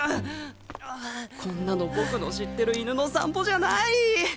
こんなの僕の知ってる犬の散歩じゃない！